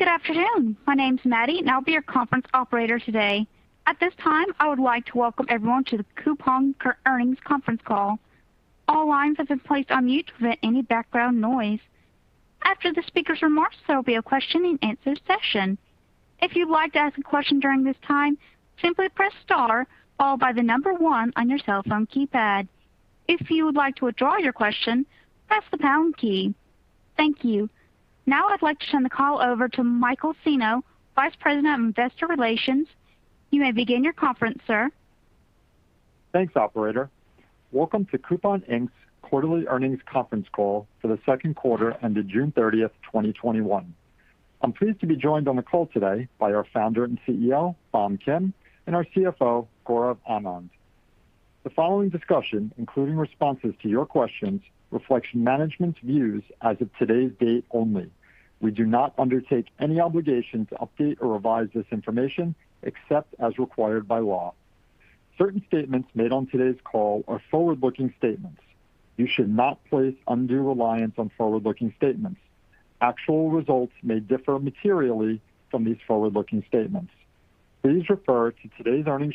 Good afternoon. My name's Maddie, and I'll be your conference operator today. At this time, I would like to welcome everyone to the Coupang Earnings Conference Call. All lines have been placed on mute to prevent any background noise. After the speaker's remarks, there will be a question and answer session. If you'd like to ask a question during this time, simply press star or by the number 1 on your cell phone keypad. If you would like to withdraw your question, press the pound key. Thank you. Now I'd like to turn the call over to Michael Senno, Vice President of Investor Relations. You may begin your conference, sir. Thanks, operator. Welcome to Coupang, Inc.'s Quarterly Earnings Conference Call for the second quarter ended June 30th, 2021. I'm pleased to be joined on the call today by our Founder and CEO, Bom Kim, and our CFO, Gaurav Anand. The following discussion, including responses to your questions, reflects management's views as of today's date only. We do not undertake any obligation to update or revise this information except as required by law. Certain statements made on today's call are forward-looking statements. You should not place undue reliance on forward-looking statements. Actual results may differ materially from these forward-looking statements. Please refer to today's earnings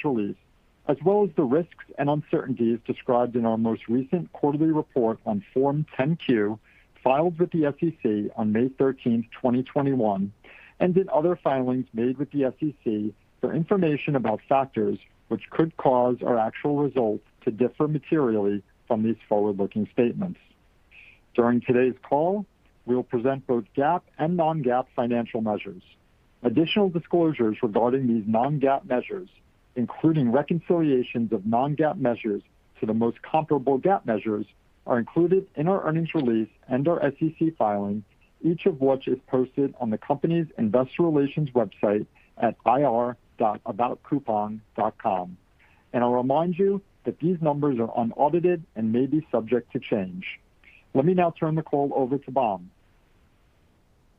release, as well as the risks and uncertainties described in our most recent quarterly report on Form 10-Q filed with the SEC on May 13th, 2021, and in other filings made with the SEC for information about factors which could cause our actual results to differ materially from these forward-looking statements. During today's call, we'll present both GAAP and non-GAAP financial measures. Additional disclosures regarding these non-GAAP measures, including reconciliations of non-GAAP measures to the most comparable GAAP measures are included in our earnings release and our SEC filings, each of which is posted on the company's investor relations website at ir.aboutcoupang.com. I'll remind you that these numbers are unaudited and may be subject to change. Let me now turn the call over to Bom.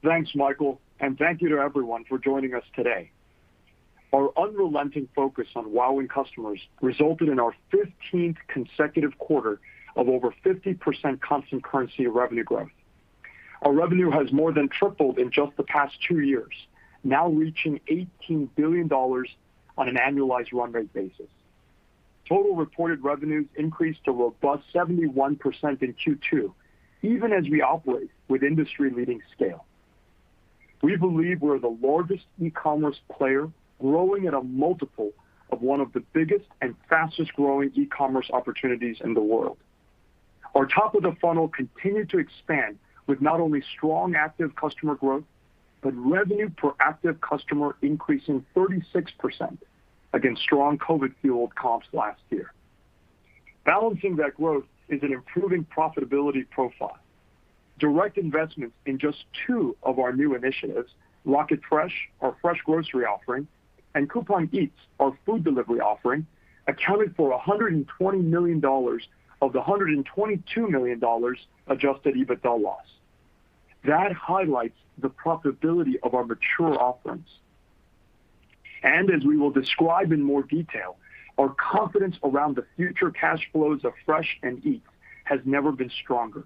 Thanks, Michael, and thank you to everyone for joining us today. Our unrelenting focus on wowing customers resulted in our 15th consecutive quarter of over 50% constant currency revenue growth. Our revenue has more than tripled in just the past two years, now reaching $18 billion on an annualized run rate basis. Total reported revenues increased a robust 71% in Q2, even as we operate with industry-leading scale. We believe we're the largest e-commerce player growing at a multiple of one of the biggest and fastest-growing e-commerce opportunities in the world. Our top of the funnel continued to expand with not only strong active customer growth, but revenue per active customer increasing 36% against strong COVID-fueled comps last year. Balancing that growth is an improving profitability profile. Direct investments in just 2 of our new initiatives, Rocket Fresh, our fresh grocery offering, and Coupang Eats, our food delivery offering, accounted for $120 million of the $122 million adjusted EBITDA loss. That highlights the profitability of our mature offerings. As we will describe in more detail, our confidence around the future cash flows of Fresh and Eats has never been stronger.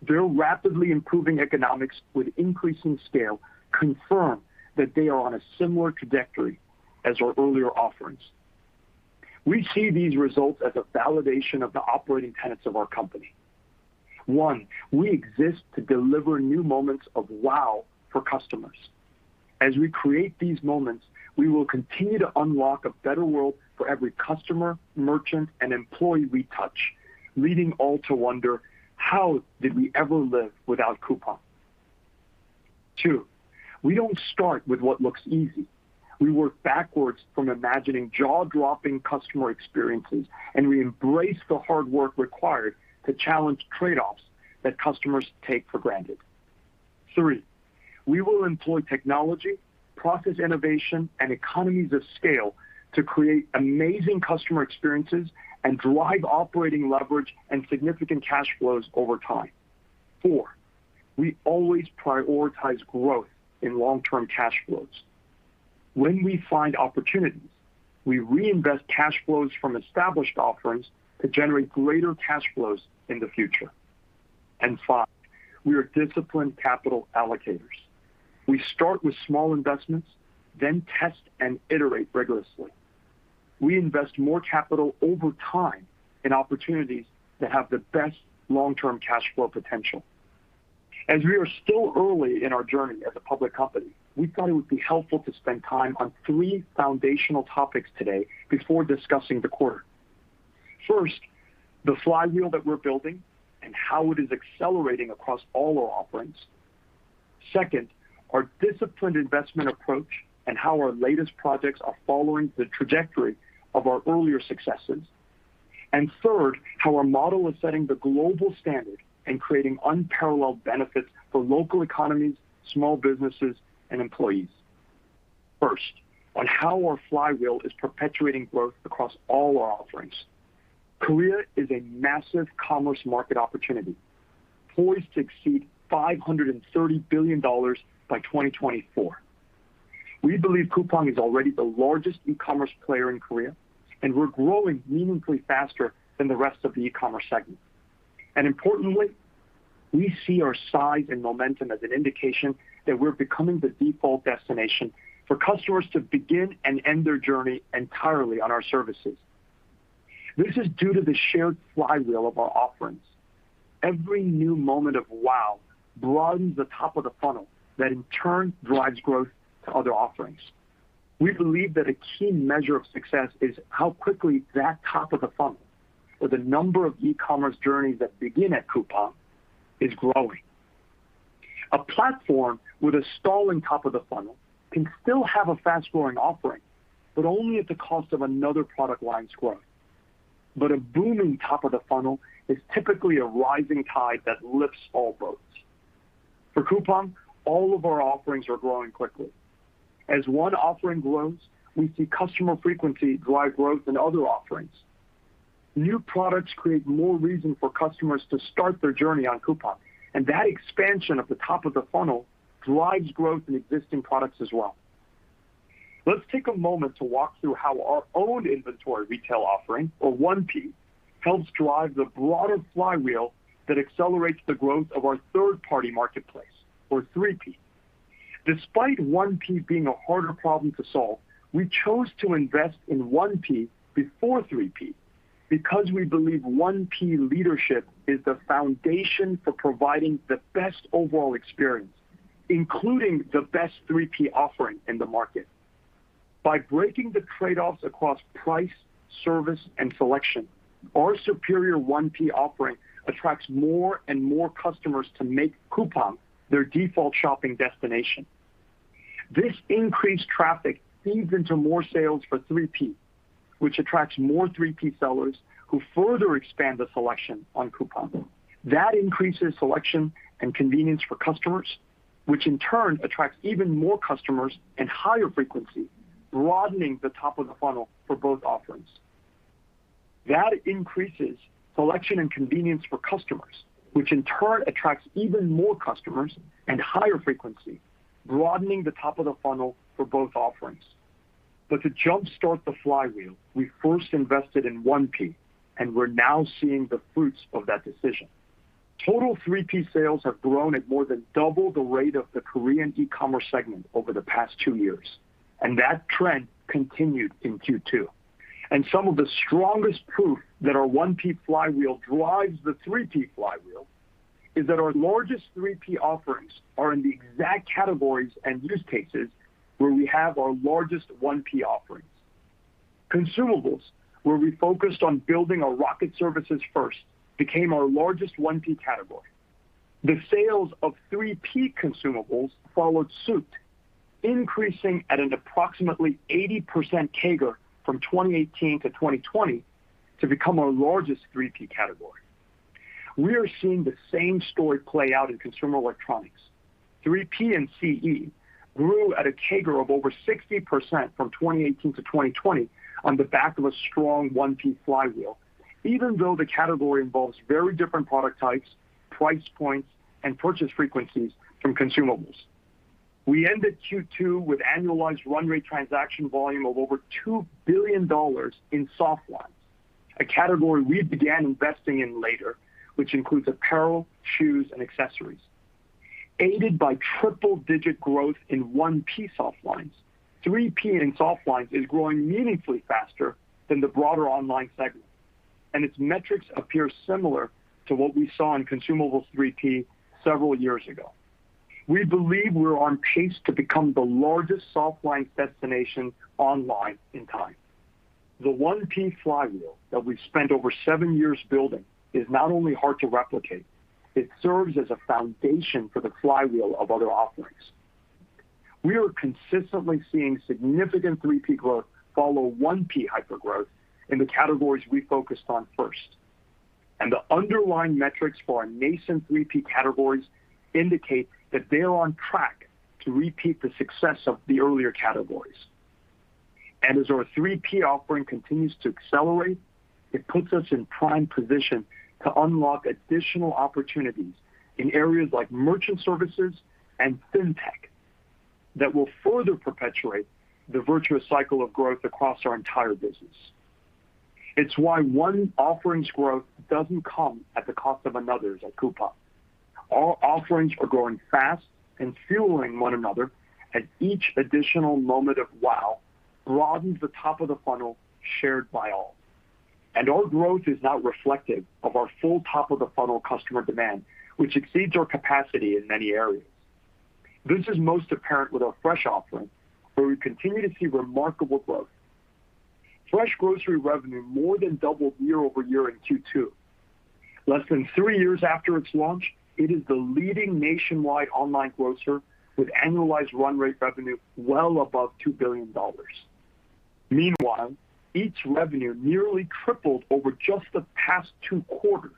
Their rapidly improving economics with increasing scale confirm that they are on a similar trajectory as our earlier offerings. We see these results as a validation of the operating tenets of our company. One, we exist to deliver new moments of wow for customers. As we create these moments, we will continue to unlock a better world for every customer, merchant, and employee we touch, leading all to wonder, "How did we ever live without Coupang?" Two, we don't start with what looks easy. We work backwards from imagining jaw-dropping customer experiences, and we embrace the hard work required to challenge trade-offs that customers take for granted. Three, we will employ technology, process innovation, and economies of scale to create amazing customer experiences and drive operating leverage and significant cash flows over time. Four, we always prioritize growth in long-term cash flows. When we find opportunities, we reinvest cash flows from established offerings to generate greater cash flows in the future. Five, we are disciplined capital allocators. We start with small investments, then test and iterate rigorously. We invest more capital over time in opportunities that have the best long-term cash flow potential. As we are still early in our journey as a public company, we thought it would be helpful to spend time on 3 foundational topics today before discussing the quarter. First, the flywheel that we're building and how it is accelerating across all our offerings. Second, our disciplined investment approach and how our latest projects are following the trajectory of our earlier successes. Third, how our model is setting the global standard and creating unparalleled benefits for local economies, small businesses, and employees. First, on how our flywheel is perpetuating growth across all our offerings. Korea is a massive commerce market opportunity poised to exceed $530 billion by 2024. We believe Coupang is already the largest e-commerce player in Korea, and we're growing meaningfully faster than the rest of the e-commerce segment. Importantly, we see our size and momentum as an indication that we're becoming the default destination for customers to begin and end their journey entirely on our services. This is due to the shared flywheel of our offerings. Every new moment of wow broadens the top of the funnel that in turn drives growth to other offerings. We believe that a key measure of success is how quickly that top of the funnel or the number of e-commerce journeys that begin at Coupang is growing. A platform with a stalling top of the funnel can still have a fast-growing offering, but only at the cost of another product line's growth. A booming top of the funnel is typically a rising tide that lifts all boats. For Coupang, all of our offerings are growing quickly. As one offering grows, we see customer frequency drive growth in other offerings. New products create more reason for customers to start their journey on Coupang, that expansion of the top of the funnel drives growth in existing products as well. Let's take a moment to walk through how our own inventory retail offering, or 1P, helps drive the broader flywheel that accelerates the growth of our third-party marketplace, or 3P. Despite 1P being a harder problem to solve, we chose to invest in 1P before 3P because we believe 1P leadership is the foundation for providing the best overall experience, including the best 3P offering in the market. By breaking the trade-offs across price, service, and selection, our superior 1P offering attracts more and more customers to make Coupang their default shopping destination. This increased traffic feeds into more sales for 3P, which attracts more 3P sellers who further expand the selection on Coupang. That increases selection and convenience for customers, which in turn attracts even more customers and higher frequency, broadening the top of the funnel for both offerings. That increases selection and convenience for customers, which in turn attracts even more customers and higher frequency, broadening the top of the funnel for both offerings. To jumpstart the flywheel, we first invested in 1P and we're now seeing the fruits of that decision. Total 3P sales have grown at more than double the rate of the Korean e-commerce segment over the past 2 years, and that trend continued in Q2. Some of the strongest proof that our 1P flywheel drives the 3P flywheel is that our largest 3P offerings are in the exact categories and use cases where we have our largest 1P offerings. Consumables, where we focused on building our Rocket services first, became our largest 1P category. The sales of 3P consumables followed suit, increasing at an approximately 80% CAGR from 2018 to 2020 to become our largest 3P category. We are seeing the same story play out in consumer electronics. 3P and CE grew at a CAGR of over 60% from 2018 to 2020 on the back of a strong 1P flywheel, even though the category involves very different product types, price points, and purchase frequencies from consumables. We ended Q2 with annualized run rate transaction volume of over $2 billion in softline, a category we began investing in later, which includes apparel, shoes, and accessories. Aided by triple-digit growth in 1P softline, 3P in softline is growing meaningfully faster than the broader online segment, and its metrics appear similar to what we saw in consumables 3P several years ago. We believe we're on pace to become the largest softline destination online in time. The 1P flywheel that we've spent over seven years building is not only hard to replicate, it serves as a foundation for the flywheel of other offerings. We are consistently seeing significant 3P growth follow 1P hypergrowth in the categories we focused on first. The underlying metrics for our nascent 3P categories indicate that they are on track to repeat the success of the earlier categories. As our 3P offering continues to accelerate, it puts us in prime position to unlock additional opportunities in areas like merchant services and Fintech that will further perpetuate the virtuous cycle of growth across our entire business. It's why one offering's growth doesn't come at the cost of another's at Coupang. All offerings are growing fast and fueling one another, and each additional moment of wow broadens the top of the funnel shared by all. Our growth is not reflective of our full top of the funnel customer demand, which exceeds our capacity in many areas. This is most apparent with our Fresh offering, where we continue to see remarkable growth. Fresh grocery revenue more than doubled year-over-year in Q2. Less than three years after its launch, it is the leading nationwide online grocer with annualized run rate revenue well above $2 billion. Meanwhile, Eats revenue nearly tripled over just the past two quarters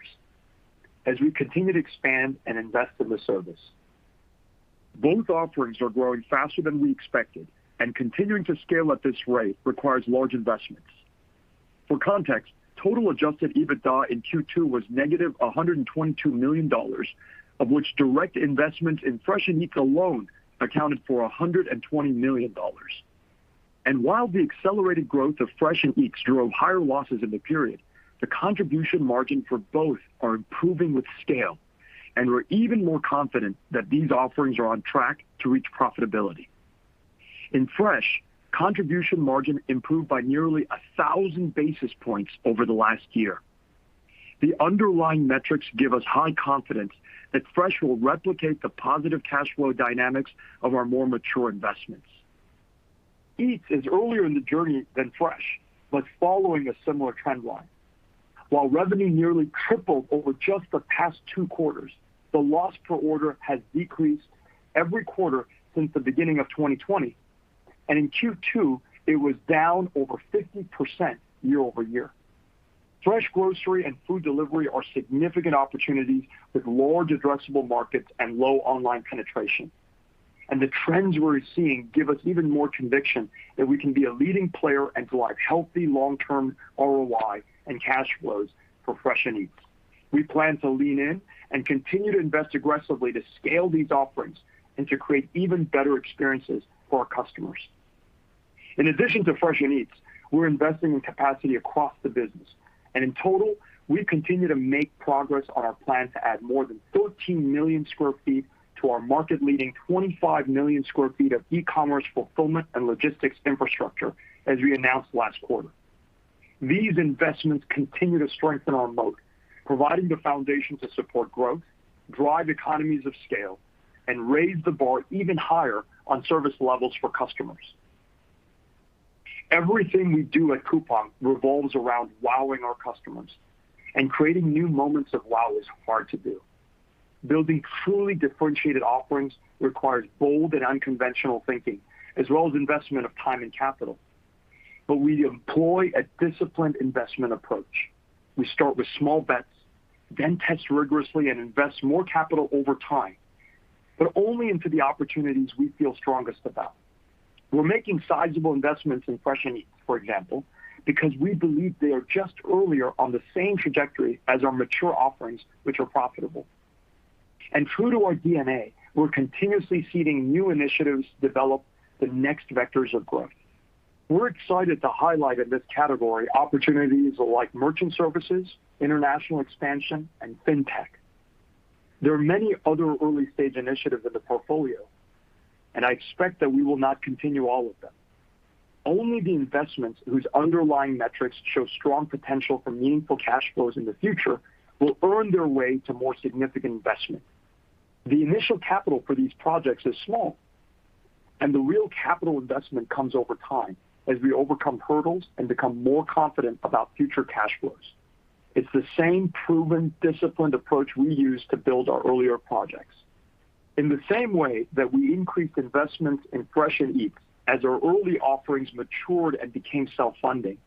as we continue to expand and invest in the service. Both offerings are growing faster than we expected, and continuing to scale at this rate requires large investments. For context, total adjusted EBITDA in Q2 was negative $122 million, of which direct investment in Fresh and Eats alone accounted for $120 million. While the accelerated growth of Fresh and Eats drove higher losses in the period, the contribution margin for both are improving with scale, and we're even more confident that these offerings are on track to reach profitability. In Fresh, contribution margin improved by nearly 1,000 basis points over the last year. The underlying metrics give us high confidence that Fresh will replicate the positive cash flow dynamics of our more mature investments. Eats is earlier in the journey than Fresh, but following a similar trend line. While revenue nearly tripled over just the past 2 quarters, the loss per order has decreased every quarter since the beginning of 2020, and in Q2, it was down over 50% year-over-year. Fresh grocery and food delivery are significant opportunities with large addressable markets and low online penetration. The trends we're seeing give us even more conviction that we can be a leading player and drive healthy long-term ROI and cash flows for Fresh and Eats. We plan to lean in and continue to invest aggressively to scale these offerings and to create even better experiences for our customers. In addition to Fresh and Eats, we're investing in capacity across the business. In total, we continue to make progress on our plan to add more than 14 million square feet to our market-leading 25 million square feet of e-commerce fulfillment and logistics infrastructure, as we announced last quarter. These investments continue to strengthen our moat, providing the foundation to support growth, drive economies of scale, and raise the bar even higher on service levels for customers. Everything we do at Coupang revolves around wowing our customers, and creating new moments of wow is hard to do. Building truly differentiated offerings requires bold and unconventional thinking, as well as investment of time and capital. We employ a disciplined investment approach. We start with small bets, then test rigorously and invest more capital over time, but only into the opportunities we feel strongest about. We're making sizable investments in Fresh and Eats, for example, because we believe they are just earlier on the same trajectory as our mature offerings, which are profitable. True to our DNA, we're continuously seeding new initiatives to develop the next vectors of growth. We're excited to highlight in this category opportunities like merchant services, international expansion, and Fintech. There are many other early-stage initiatives in the portfolio, and I expect that we will not continue all of them. Only the investments whose underlying metrics show strong potential for meaningful cash flows in the future will earn their way to more significant investment. The initial capital for these projects is small, and the real capital investment comes over time as we overcome hurdles and become more confident about future cash flows. It's the same proven, disciplined approach we used to build our earlier projects. In the same way that we increased investments in Fresh and Eats as our early offerings matured and became self-funding.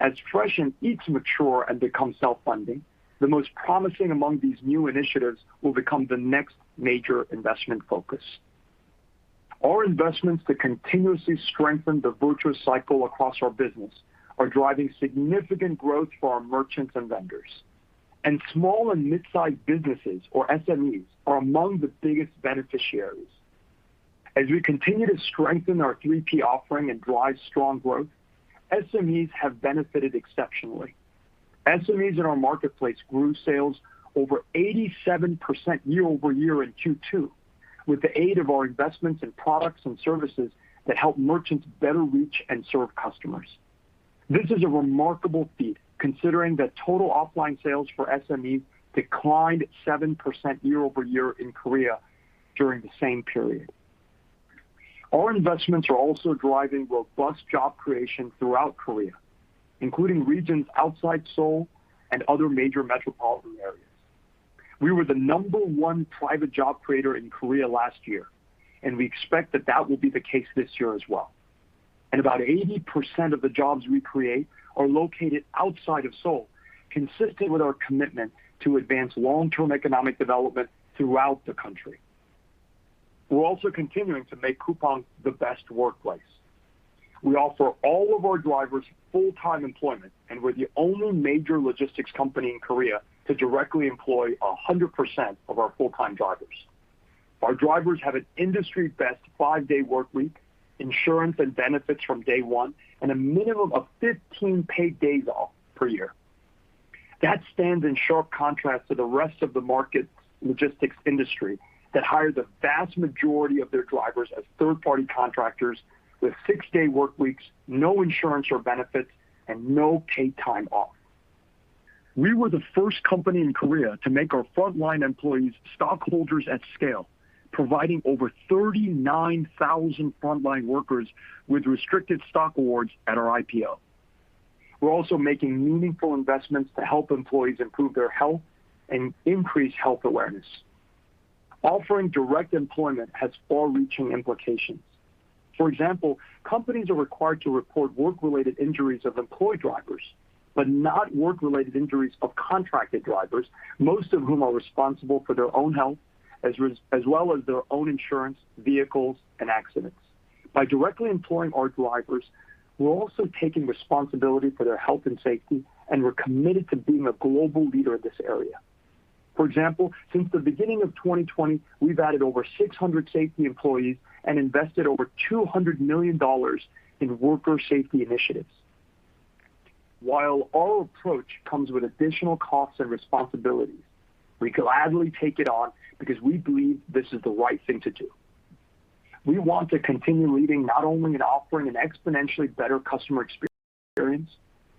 As Fresh and Eats mature and become self-funding, the most promising among these new initiatives will become the next major investment focus. Our investments to continuously strengthen the virtuous cycle across our business are driving significant growth for our merchants and vendors. Small and mid-sized businesses, or SMEs, are among the biggest beneficiaries. As we continue to strengthen our 3P offering and drive strong growth, SMEs have benefited exceptionally. SMEs in our marketplace grew sales over 87% year-over-year in Q2 with the aid of our investments in products and services that help merchants better reach and serve customers. This is a remarkable feat considering that total offline sales for SMEs declined 7% year-over-year in Korea during the same period. Our investments are also driving robust job creation throughout Korea, including regions outside Seoul and other major metropolitan areas. We were the number one private job creator in Korea last year, and we expect that that will be the case this year as well. About 80% of the jobs we create are located outside of Seoul, consistent with our commitment to advance long-term economic development throughout the country. We're also continuing to make Coupang the best workplace. We offer all of our drivers full-time employment, and we're the only major logistics company in Korea to directly employ 100% of our full-time drivers. Our drivers have an industry-best 5-day work week, insurance and benefits from day one, and a minimum of 15 paid days off per year. That stands in sharp contrast to the rest of the market logistics industry that hires a vast majority of their drivers as third-party contractors with 6-day work weeks, no insurance or benefits, and no paid time off. We were the first company in Korea to make our frontline employees stockholders at scale, providing over 39,000 frontline workers with restricted stock awards at our IPO. We're also making meaningful investments to help employees improve their health and increase health awareness. Offering direct employment has far-reaching implications. For example, companies are required to report work-related injuries of employed drivers, but not work-related injuries of contracted drivers, most of whom are responsible for their own health, as well as their own insurance, vehicles, and accidents. By directly employing our drivers, we're also taking responsibility for their health and safety, and we're committed to being a global leader in this area. For example, since the beginning of 2020, we've added over 600 safety employees and invested over $200 million in worker safety initiatives. While our approach comes with additional costs and responsibilities, we gladly take it on because we believe this is the right thing to do. We want to continue leading not only in offering an exponentially better customer experience,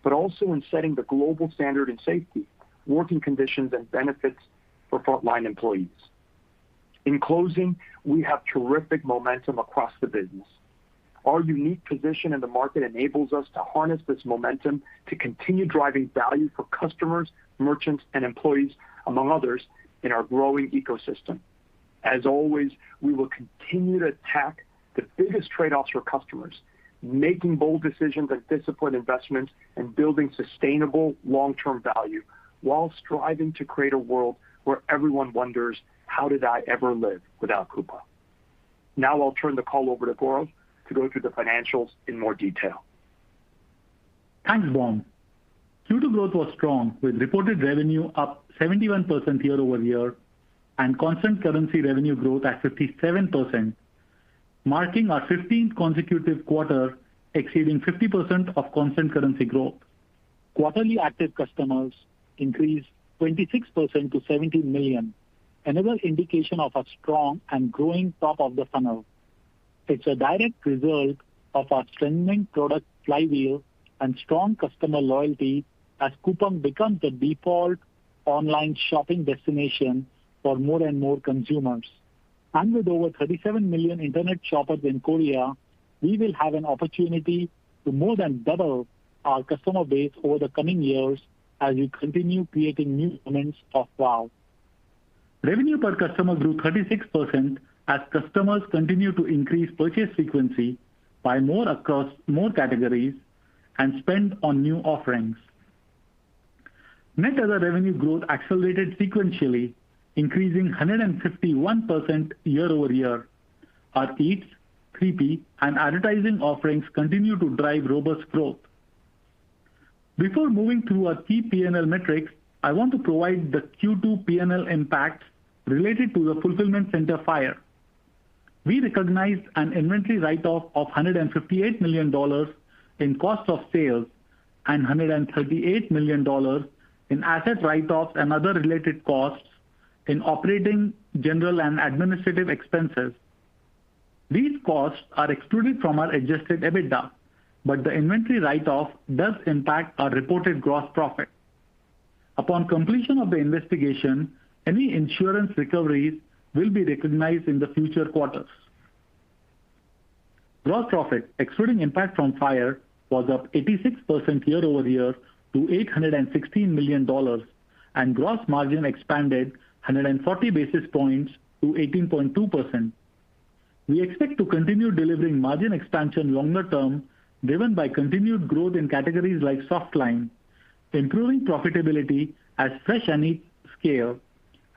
but also in setting the global standard in safety, working conditions, and benefits for frontline employees. In closing, we have terrific momentum across the business. Our unique position in the market enables us to harness this momentum to continue driving value for customers, merchants, and employees, among others, in our growing ecosystem. As always, we will continue to attack the biggest trade-offs for customers, making bold decisions and disciplined investments and building sustainable long-term value while striving to create a world where everyone wonders, "How did I ever live without Coupang?" Now I'll turn the call over to Gaurav to go through the financials in more detail. Thanks, Bom. Q2 growth was strong with reported revenue up 71% year-over-year and constant currency revenue growth at 57%, marking our 15th consecutive quarter exceeding 50% of constant currency growth. Quarterly active customers increased 26% to 70 million, another indication of a strong and growing top of the funnel. It's a direct result of our strengthening product flywheel and strong customer loyalty as Coupang becomes the default online shopping destination for more and more consumers. With over 37 million internet shoppers in Korea, we will have an opportunity to more than double our customer base over the coming years as we continue creating new moments of wow. Revenue per customer grew 36% as customers continue to increase purchase frequency by more across more categories and spend on new offerings. Net other revenue growth accelerated sequentially, increasing 151% year-over-year. Our Eats, 3P, and advertising offerings continue to drive robust growth. Before moving to our key P&L metrics, I want to provide the Q2 P&L impacts related to the fulfillment center fire. We recognized an inventory write-off of $158 million in cost of sales and $138 million in asset write-offs and other related costs in operating general and administrative expenses. These costs are excluded from our adjusted EBITDA, but the inventory write-off does impact our reported gross profit. Upon completion of the investigation, any insurance recoveries will be recognized in the future quarters. Gross profit, excluding impact from fire, was up 86% year-over-year to $816 million and gross margin expanded 140 basis points to 18.2%. We expect to continue delivering margin expansion longer term, driven by continued growth in categories like softline, improving profitability as Fresh & Eats scale,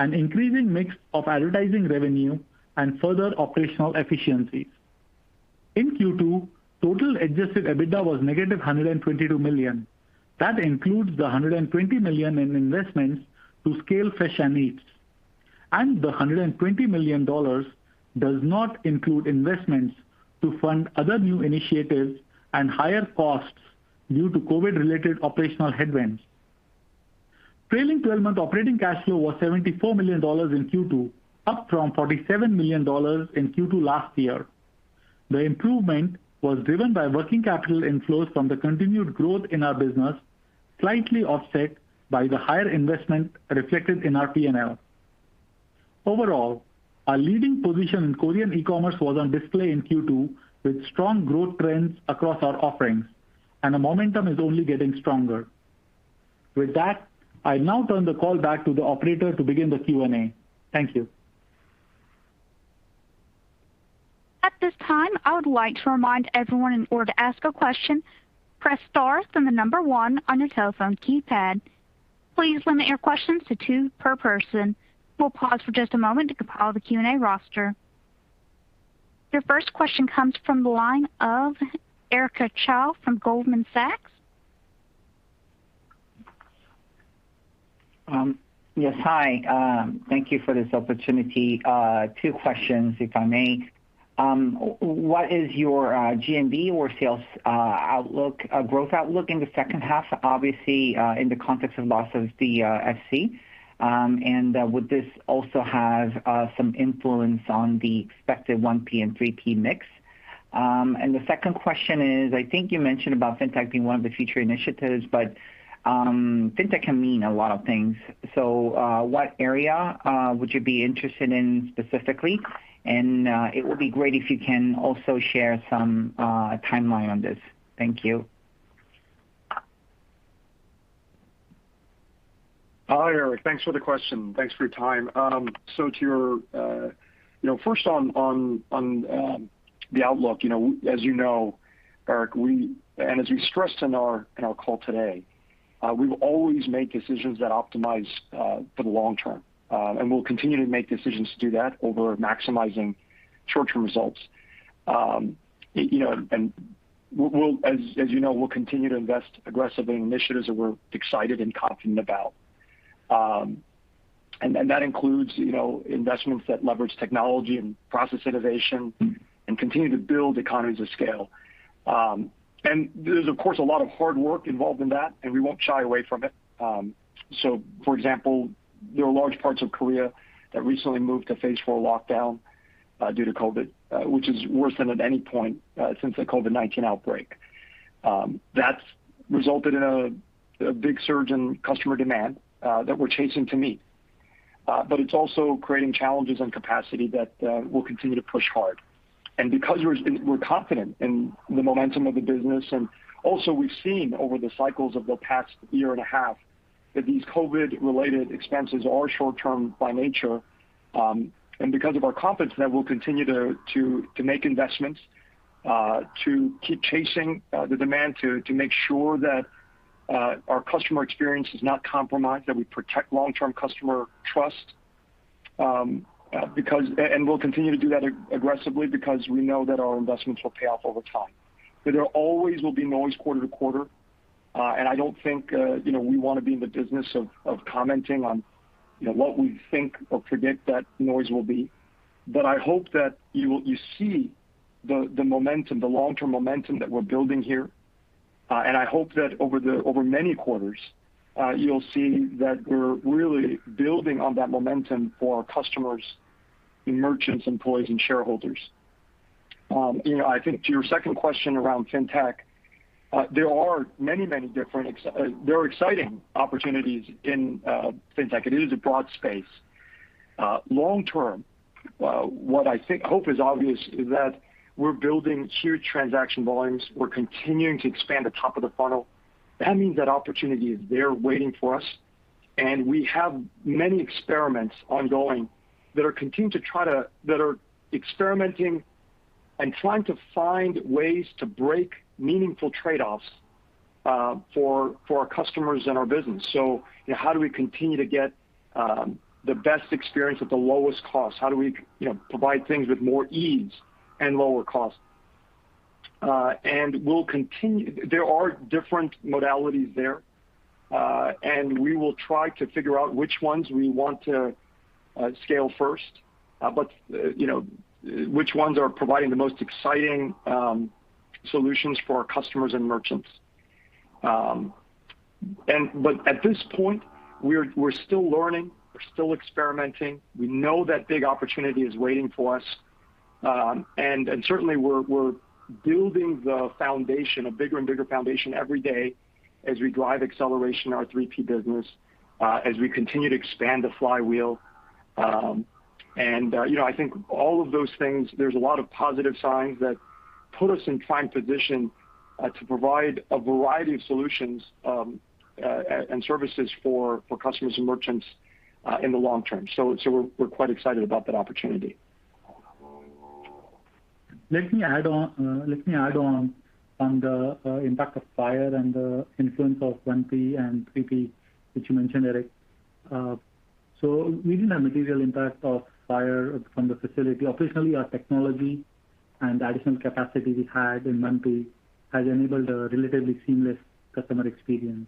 an increasing mix of advertising revenue, and further operational efficiencies. In Q2, total adjusted EBITDA was -$122 million. That includes the $120 million in investments to scale Fresh & Eats. The $120 million does not include investments to fund other new initiatives and higher costs due to COVID-related operational headwinds. Trailing 12-month operating cash flow was $74 million in Q2, up from $47 million in Q2 last year. The improvement was driven by working capital inflows from the continued growth in our business, slightly offset by the higher investment reflected in our P&L. Overall, our leading position in Korean e-commerce was on display in Q2 with strong growth trends across our offerings, and the momentum is only getting stronger. With that, I now turn the call back to the operator to begin the Q&A. Thank you. At this time, I would like to remind everyone in order to ask a question, press star, then the number 1 on your telephone keypad. Please limit your questions to 2 per person. We'll pause for just a moment to compile the Q&A roster. Your first question comes from the line of Eric Cha from Goldman Sachs. Yes. Hi. Thank you for this opportunity. Two questions, if I may. What is your GMV or sales growth outlook in the second half, obviously, in the context of loss of the FC? Would this also have some influence on the expected 1P and 3P mix? The second question is, I think you mentioned about Fintech being one of the future initiatives, but Fintech can mean a lot of things. What area would you be interested in specifically? It would be great if you can also share some timeline on this. Thank you. Hi, Eric. Thanks for the question. Thanks for your time. First, on the outlook, as you know, Eric, as we stressed in our call today, we will always make decisions that optimize for the long term. We'll continue to make decisions to do that over maximizing short-term results. As you know, we'll continue to invest aggressively in initiatives that we're excited and confident about. That includes investments that leverage technology and process innovation and continue to build economies of scale. There's, of course, a lot of hard work involved in that, and we won't shy away from it. For example, there are large parts of Korea that recently moved to phase 4 lockdown due to COVID, which is worse than at any point since the COVID-19 outbreak. That's resulted in a big surge in customer demand that we're chasing to meet. It's also creating challenges in capacity that we'll continue to push hard. Because we're confident in the momentum of the business, and also we've seen over the cycles of the past year and a half, that these COVID-related expenses are short-term by nature. Because of our confidence in that, we'll continue to make investments, to keep chasing the demand, to make sure that our customer experience is not compromised, that we protect long-term customer trust. We'll continue to do that aggressively because we know that our investments will pay off over time. There always will be noise quarter to quarter. I don't think we want to be in the business of commenting on what we think or predict that noise will be. I hope that you see the long-term momentum that we're building here. I hope that over many quarters, you'll see that we're really building on that momentum for our customers, merchants, employees, and shareholders. I think to your second question around Fintech, there are many different very exciting opportunities in Fintech. It is a broad space. Long term, what I hope is obvious is that we're building huge transaction volumes. We're continuing to expand the top of the funnel. That means that opportunity is there waiting for us, and we have many experiments ongoing that are experimenting and trying to find ways to break meaningful trade-offs for our customers and our business. How do we continue to get the best experience at the lowest cost? How do we provide things with more ease and lower cost? There are different modalities there, and we will try to figure out which ones we want to scale first. Which ones are providing the most exciting solutions for our customers and merchants. At this point, we're still learning, we're still experimenting. We know that big opportunity is waiting for us. Certainly, we're building the foundation, a bigger and bigger foundation every day as we drive acceleration in our 3P business, as we continue to expand the flywheel. I think all of those things, there's a lot of positive signs that put us in prime position to provide a variety of solutions and services for customers and merchants in the long term. We're quite excited about that opportunity. Let me add on the impact of fire and the influence of 1P and 3P, which you mentioned, Eric. We didn't have material impact of fire from the facility. Operationally, our technology and the additional capacity we had in 1P has enabled a relatively seamless customer experience.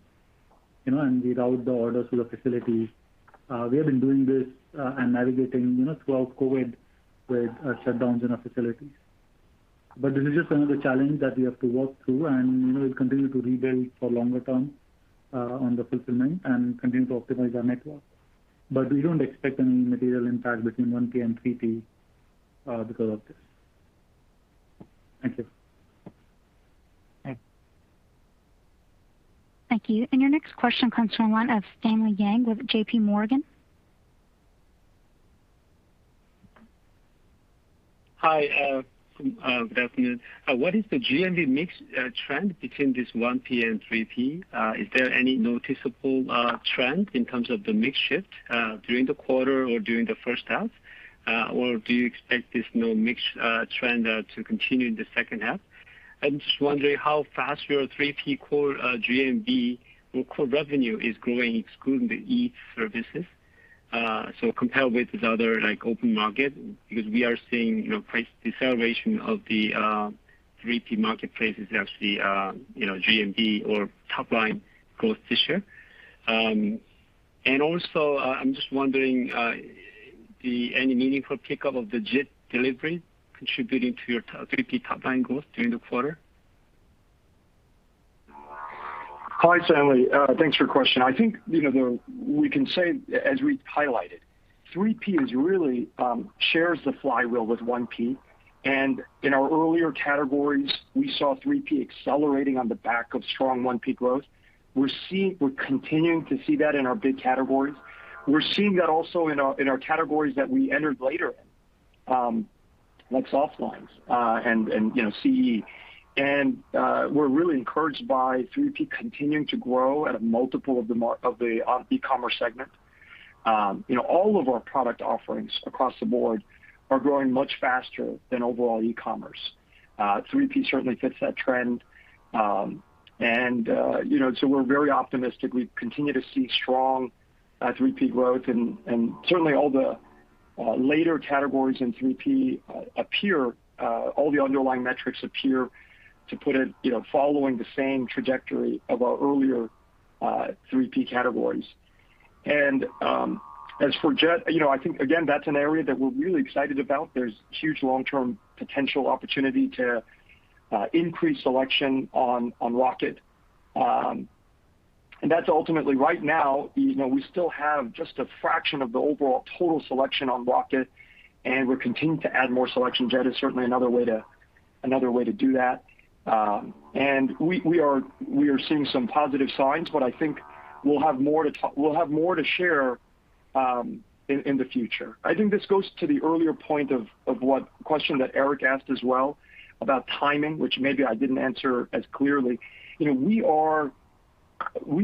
We route the orders to the facility. We have been doing this and navigating throughout COVID with shutdowns in our facilities. This is just another challenge that we have to work through, and we'll continue to rebuild for longer term on the fulfillment and continue to optimize our network. We don't expect any material impact between 1P and 3P because of this. Thank you. Thanks. Thank you. Your next question comes from the line of Stanley Yang with JP Morgan. Hi, good afternoon. What is the GMV mix trend between this 1P and 3P? Is there any noticeable trend in terms of the mix shift during the quarter or during the first half? Do you expect this mix trend to continue in the second half? I'm just wondering how fast your 3P core GMV or core revenue is growing, excluding the Eat services. Compare with other open market, because we are seeing price deceleration of the 3P marketplace is actually GMV or top line growth this year. I'm just wondering, any meaningful pickup of the JIT delivery contributing to your 3P top line growth during the quarter? Hi, Stanley. Thanks for your question. I think we can say, as we highlighted, 3P really shares the flywheel with 1P. In our earlier categories, we saw 3P accelerating on the back of strong 1P growth. We're continuing to see that in our big categories. We're seeing that also in our categories that we entered later in, like softline and CE. We're really encouraged by 3P continuing to grow at a multiple of the ecommerce segment. All of our product offerings across the board are growing much faster than overall ecommerce. 3P certainly fits that trend. We're very optimistic. We continue to see strong 3P growth, certainly all the underlying metrics appear to put it, following the same trajectory of our earlier 3P categories. As for J, I think again, that's an area that we're really excited about. There's huge long-term potential opportunity to increase selection on Rocket. That's ultimately right now, we still have just a fraction of the overall total selection on Rocket, and we're continuing to add more selection. Jet is certainly another way to do that. We are seeing some positive signs, but I think we'll have more to share in the future. I think this goes to the earlier point of what question that Eric asked as well about timing, which maybe I didn't answer as clearly. We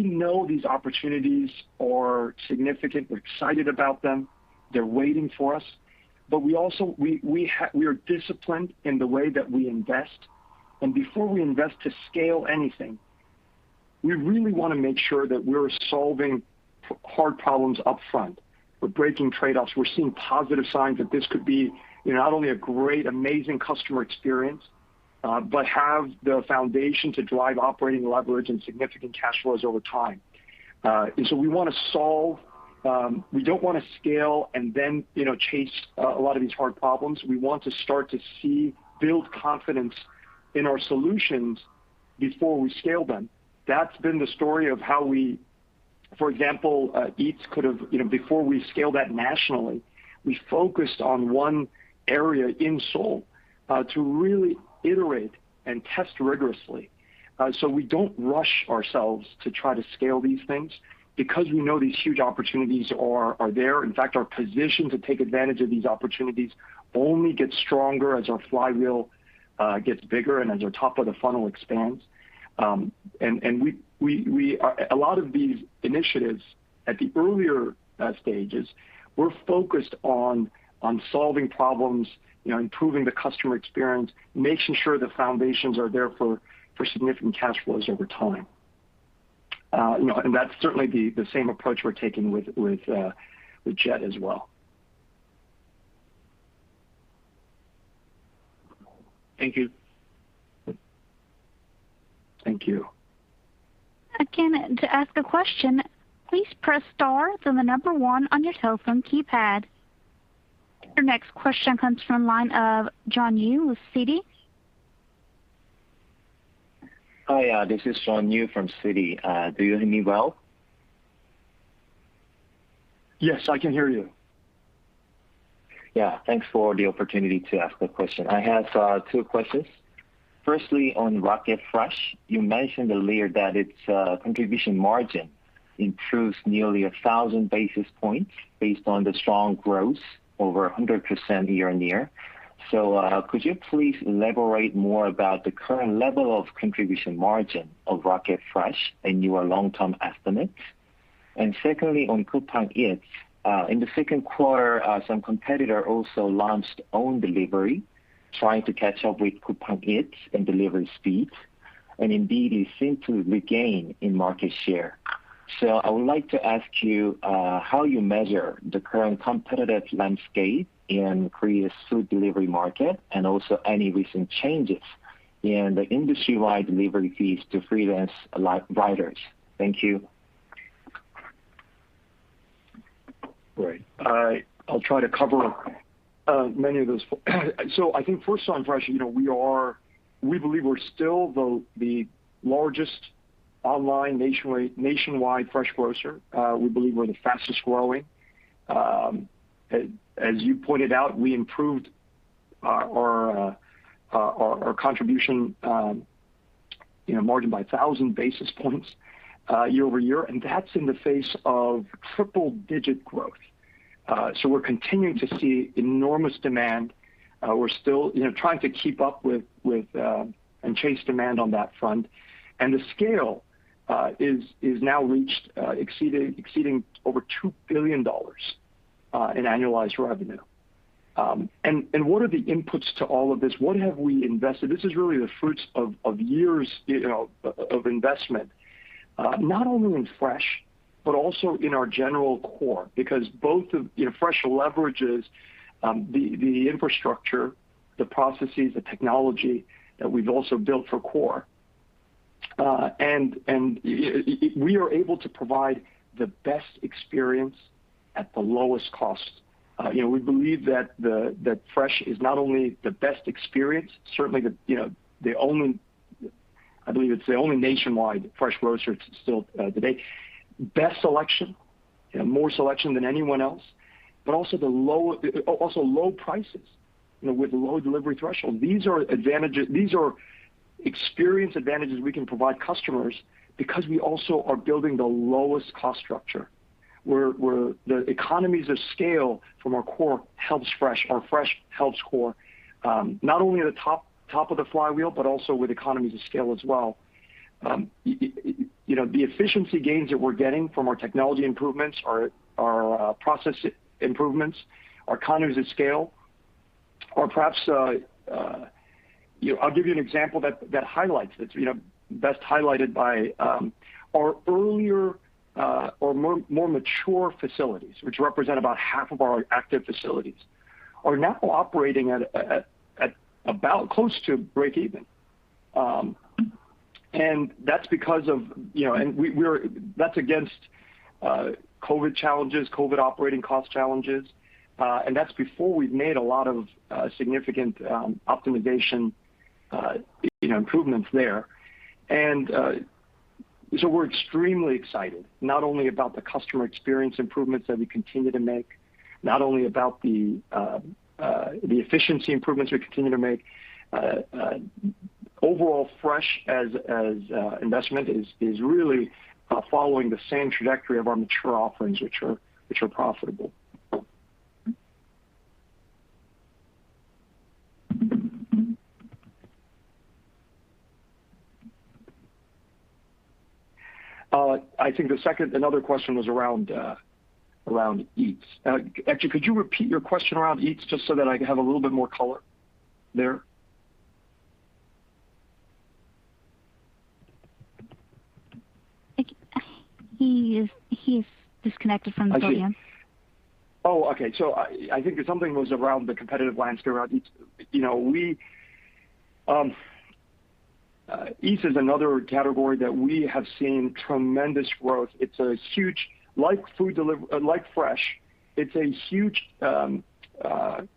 know these opportunities are significant. We're excited about them. They're waiting for us. We are disciplined in the way that we invest, and before we invest to scale anything, we really want to make sure that we're solving hard problems upfront. We're breaking trade-offs. We're seeing positive signs that this could be, not only a great, amazing customer experience, but have the foundation to drive operating leverage and significant cash flows over time. We want to solve. We don't want to scale and then chase a lot of these hard problems. We want to start to see build confidence in our solutions before we scale them. That's been the story of how we, for example, Eats, before we scaled that nationally, we focused on one area in Seoul, to really iterate and test rigorously. We don't rush ourselves to try to scale these things because we know these huge opportunities are there. In fact, our position to take advantage of these opportunities only gets stronger as our flywheel gets bigger and as our top of the funnel expands. A lot of these initiatives at the earlier stages, we're focused on solving problems, improving the customer experience, making sure the foundations are there for significant cash flows over time. That's certainly the same approach we're taking with Jet as well. Thank you. Thank you. Again, to ask a question, please press star, then the number one on your telephone keypad. Your next question comes from the line of John Yu with Citi. Hi, this is John Yu from Citi. Do you hear me well? Yes, I can hear you. Yeah. Thanks for the opportunity to ask the question. I have two questions. Firstly, on Rocket Fresh, you mentioned earlier that its contribution margin improves nearly 1,000 basis points based on the strong growth over 100% year-on-year. Could you please elaborate more about the current level of contribution margin of Rocket Fresh and your long-term estimates? Secondly, on Coupang Eats, in the second quarter, some competitor also launched own delivery, trying to catch up with Coupang Eats and delivery speed, and indeed, you seem to regain in market share. I would like to ask you how you measure the current competitive landscape in Korea's food delivery market, and also any recent changes in the industry-wide delivery fees to freelance riders. Thank you. Great. I'll try to cover many of those. I think first on Fresh, we believe we're still the largest online nationwide fresh grocer. We believe we're the fastest growing. As you pointed out, we improved our contribution margin by 1,000 basis points year-over-year, and that's in the face of triple-digit growth. We're continuing to see enormous demand. We're still trying to keep up with and chase demand on that front. The scale is now exceeding over $2 billion in annualized revenue. What are the inputs to all of this? What have we invested? This is really the fruits of years of investment. Not only in Fresh, but also in our general core because both of Fresh leverages the infrastructure, the processes, the technology that we've also built for core. We are able to provide the best experience at the lowest cost. We believe that Fresh is not only the best experience, certainly I believe it's the only nationwide fresh grocer still to date. Best selection, more selection than anyone else, also low prices, with low delivery threshold. These are experience advantages we can provide customers because we also are building the lowest cost structure, where the economies of scale from our core helps Fresh. Our Fresh helps core, not only at the top of the flywheel, also with economies of scale as well. The efficiency gains that we're getting from our technology improvements, our process improvements, our economies of scale. I'll give you an example that highlights it. Best highlighted by our earlier or more mature facilities, which represent about half of our active facilities, are now operating at about close to breakeven. That's against COVID challenges, COVID operating cost challenges. That's before we've made a lot of significant optimization improvements there. We're extremely excited, not only about the customer experience improvements that we continue to make, not only about the efficiency improvements we continue to make. Overall, Fresh as investment is really following the same trajectory of our mature offerings, which are profitable. I think the second, another question was around Eats. Actually, could you repeat your question around Eats just so that I have a little bit more color there? He is disconnected from the audio. Okay. I think something was around the competitive landscape around Eats. Eats is another category that we have seen tremendous growth. Like Fresh, it's a huge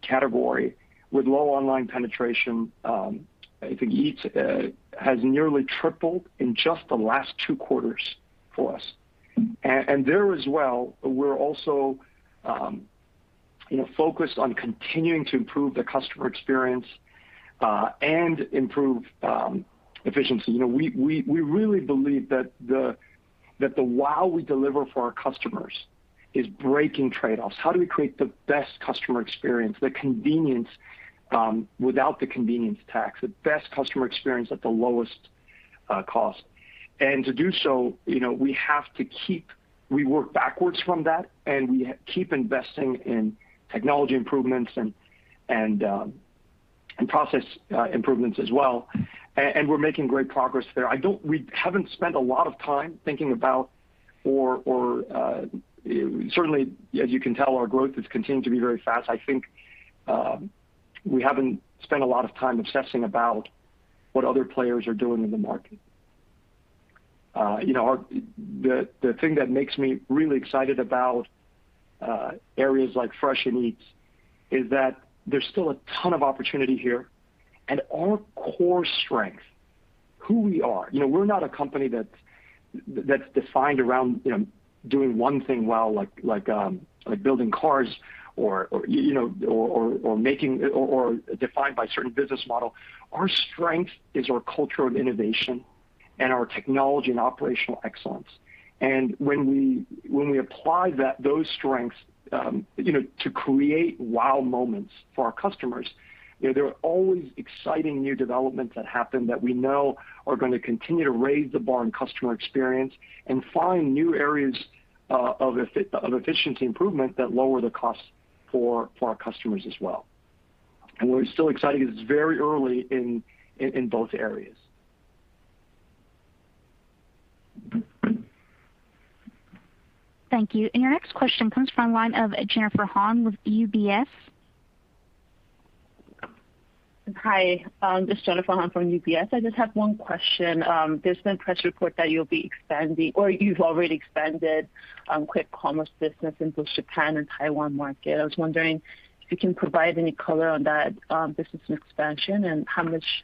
category with low online penetration. I think Eats has nearly tripled in just the last 2 quarters for us. There as well, we're also focused on continuing to improve the customer experience, and improve efficiency. We really believe that the wow we deliver for our customers is breaking trade-offs. How do we create the best customer experience, the convenience, without the convenience tax? The best customer experience at the lowest cost. To do so, we work backwards from that, and we keep investing in technology improvements and process improvements as well. We're making great progress there. We haven't spent a lot of time thinking about or certainly, as you can tell, our growth has continued to be very fast. I think we haven't spent a lot of time obsessing about what other players are doing in the market. The thing that makes me really excited about areas like Fresh and Eats is that there's still a ton of opportunity here. Our core strength, who we are, we're not a company that's defined around doing one thing well, like building cars or defined by a certain business model. Our strength is our culture of innovation and our technology and operational excellence. When we apply those strengths to create wow moments for our customers, there are always exciting new developments that happen that we know are going to continue to raise the bar on customer experience and find new areas of efficiency improvement that lower the cost for our customers as well. We're still excited because it's very early in both areas. Thank you. Your next question comes from the line of Jennifer Han with UBS. Hi, this is Jennifer Han from UBS. I just have one question. There's been press report that you'll be expanding or you've already expanded quick commerce business into Japan and Taiwan market. I was wondering if you can provide any color on that business expansion and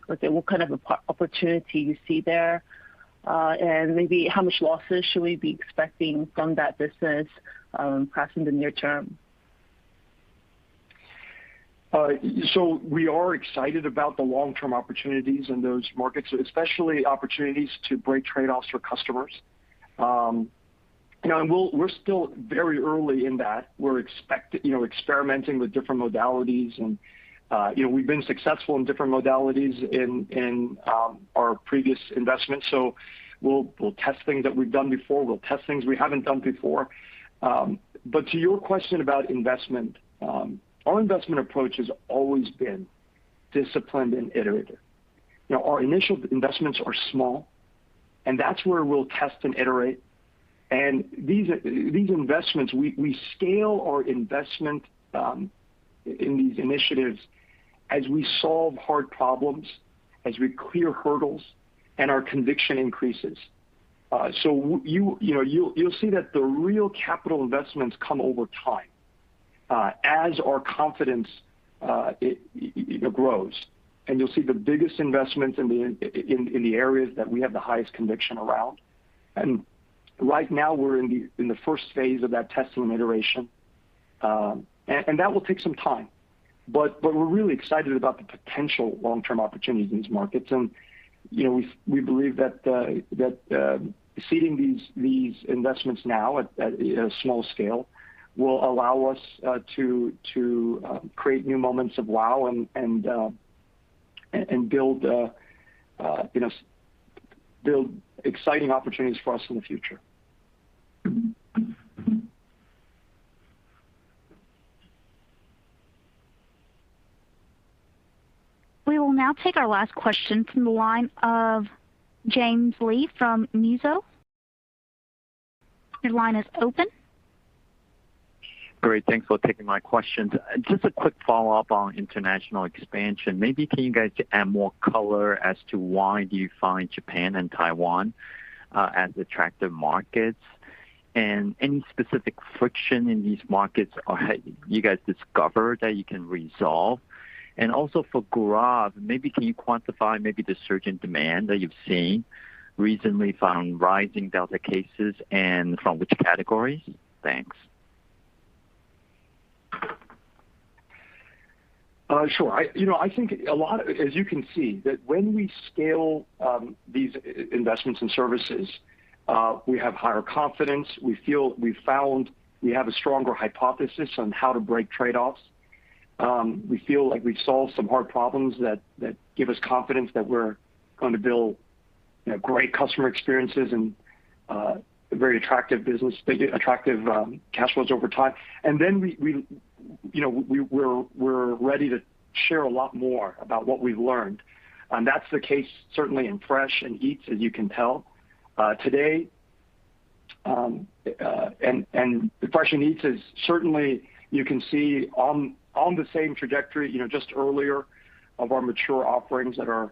what kind of opportunity you see there. Maybe how much losses should we be expecting from that business perhaps in the near term? We are excited about the long-term opportunities in those markets, especially opportunities to break trade-offs for customers. We're still very early in that. We're experimenting with different modalities and we've been successful in different modalities in our previous investments. We'll test things that we've done before. We'll test things we haven't done before. To your question about investment our investment approach has always been disciplined and iterative. Our initial investments are small, and that's where we'll test and iterate. These investments, we scale our investment in these initiatives as we solve hard problems, as we clear hurdles, and our conviction increases. You'll see that the real capital investments come over time as our confidence grows. You'll see the biggest investments in the areas that we have the highest conviction around. Right now, we're in the first phase of that test and iteration. We will now take our last question from the line of James Lee from Mizuho. Your line is open. Great. Thanks for taking my questions. Just a quick follow-up on international expansion. Maybe can you guys add more color as to why you find Japan and Taiwan as attractive markets? Any specific friction in these markets you guys discover that you can resolve? Also for Gaurav, maybe can you quantify the surge in demand that you've seen recently from rising Delta cases and from which categories? Thanks. Sure. As you can see, that when we scale these investments and services, we have higher confidence. We feel we have a stronger hypothesis on how to break trade-offs. We feel like we've solved some hard problems that give us confidence that we're going to build great customer experiences and very attractive cash flows over time. We're ready to share a lot more about what we've learned. That's the case certainly in Fresh and Eats, as you can tell. Today, Fresh and Eats is certainly, you can see, on the same trajectory, just earlier, of our mature offerings that are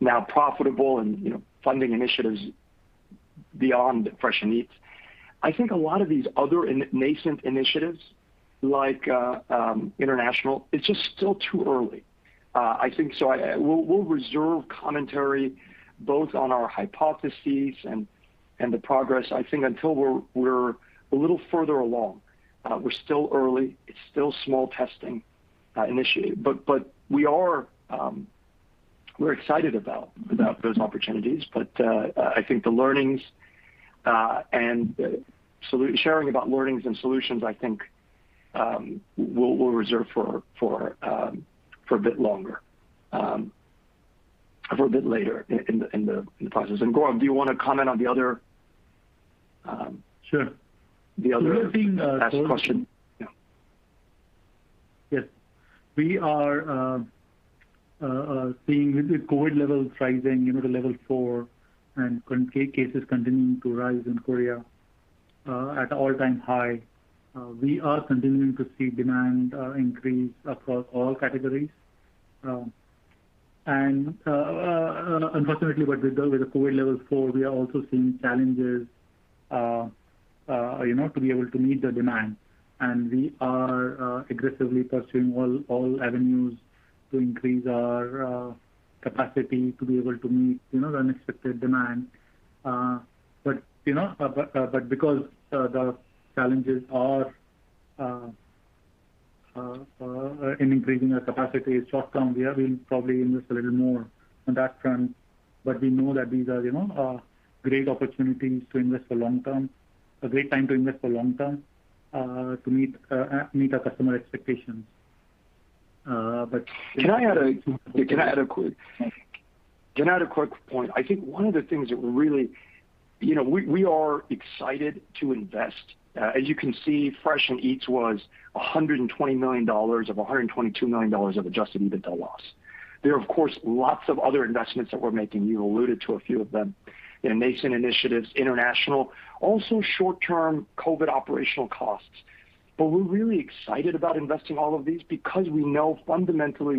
now profitable and funding initiatives beyond Fresh and Eats. I think a lot of these other nascent initiatives, like international, it's just still too early. I think we'll reserve commentary both on our hypotheses and the progress, I think, until we're a little further along. We're still early. It's still small testing initiative. We're excited about those opportunities. I think the learnings and sharing about learnings and solutions, I think, we'll reserve for a bit longer, for a bit later in the process. Gaurav, do you want to comment on the other? Sure the other asked question? Yeah. Yes. We are seeing the COVID levels rising to level 4, and cases continuing to rise in Korea at all-time high. Unfortunately what we do with the COVID level 4, we are also seeing challenges to be able to meet the demand. We are aggressively pursuing all avenues to increase our capacity to be able to meet the unexpected demand. Because the challenges are in increasing our capacity short-term, we are being probably in this a little more on that front. We know that these are great opportunities to invest for long-term, a great time to invest for long-term to meet our customer expectations. Can I add a quick point? I think one of the things that we are excited to invest. As you can see, Fresh and Eats was $120 million of $122 million of adjusted EBITDA loss. There are, of course, lots of other investments that we're making. You alluded to a few of them. Nascent initiatives, international. Also short-term COVID operational costs. We're really excited about investing all of these because we know fundamentally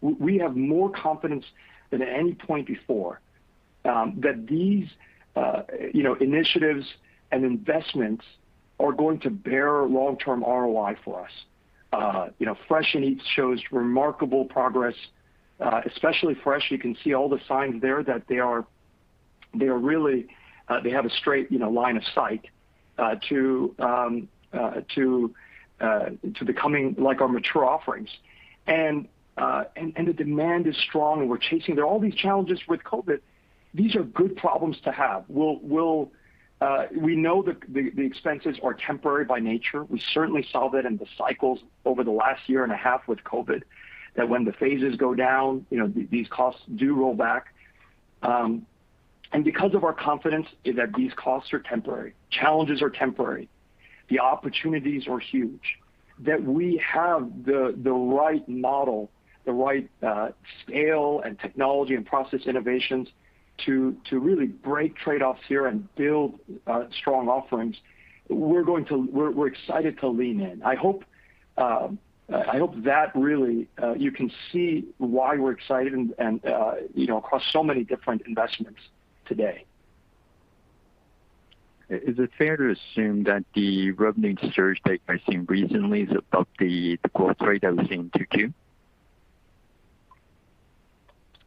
we have more confidence than at any point before that these initiatives and investments are going to bear long-term ROI for us. Fresh and Eats shows remarkable progress. Especially Fresh, you can see all the signs there that they have a straight line of sight to becoming like our mature offerings. The demand is strong, and we're chasing. There are all these challenges with COVID. These are good problems to have. We know that the expenses are temporary by nature. We certainly saw that in the cycles over the last year and a half with COVID. When the phases go down, these costs do roll back. Because of our confidence that these costs are temporary, challenges are temporary, the opportunities are huge, that we have the right model, the right scale and technology and process innovations to really break trade-offs here and build strong offerings. We're excited to lean in. I hope that really you can see why we're excited and across so many different investments today. Is it fair to assume that the revenue surge that you're seeing recently is above the growth rate that we've seen 2Q?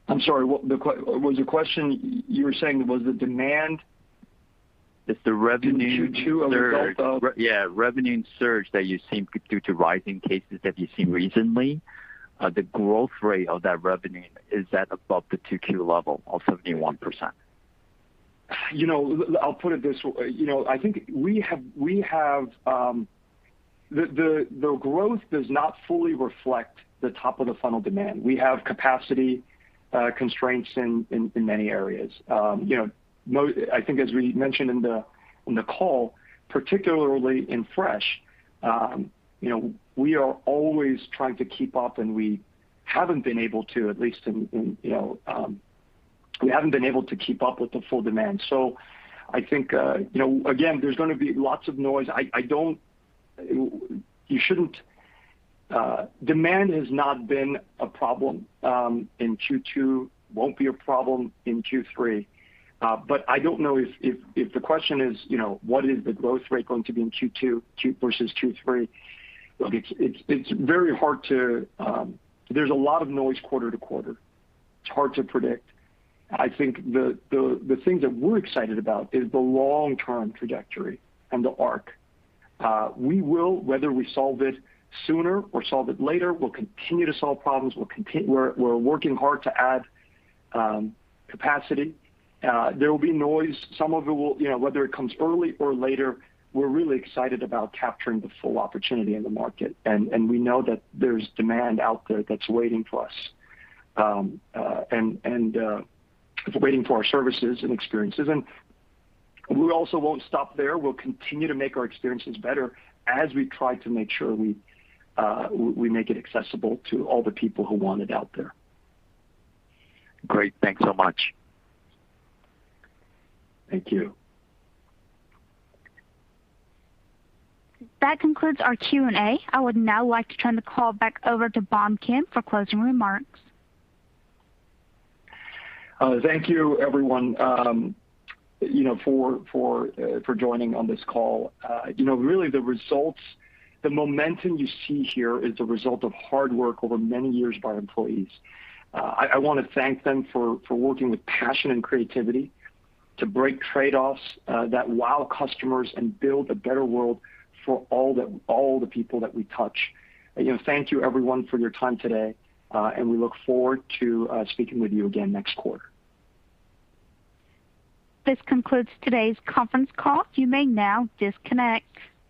I'm sorry. Was the question, you were saying was the demand- It's the revenue In 2Q. Yeah, revenue surge that you're seeing due to rising cases that you've seen recently, the growth rate of that revenue, is that above the 2Q level of 71%? I'll put it this way. I think we have the growth does not fully reflect the top-of-the-funnel demand. We have capacity constraints in many areas. I think as we mentioned in the call, particularly in Fresh, we are always trying to keep up and we haven't been able to keep up with the full demand. I think again, there's going to be lots of noise. Demand has not been a problem in Q2, won't be a problem in Q3. I don't know if the question is, what is the growth rate going to be in Q2 versus Q3. There's a lot of noise quarter to quarter. It's hard to predict. I think the thing that we're excited about is the long-term trajectory and the arc. Whether we solve it sooner or solve it later, we'll continue to solve problems. We're working hard to add capacity. There will be noise. Whether it comes early or later, we're really excited about capturing the full opportunity in the market, and we know that there's demand out there that's waiting for us, and waiting for our services and experiences. We also won't stop there. We'll continue to make our experiences better as we try to make sure we make it accessible to all the people who want it out there. Great. Thanks so much. Thank you. That concludes our Q&A. I would now like to turn the call back over to Bom Kim for closing remarks. Thank you everyone for joining on this call. The results, the momentum you see here is the result of hard work over many years by our employees. I want to thank them for working with passion and creativity to break trade-offs that wow customers and build a better world for all the people that we touch. Thank you, everyone, for your time today, and we look forward to speaking with you again next quarter. This concludes today's conference call. You may now disconnect.